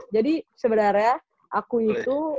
jadi sebenarnya aku itu